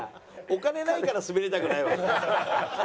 お金ないからスベりたくないわけ？